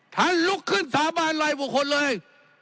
ท่านลุกขึ้นสาบานไรบุคคลเลย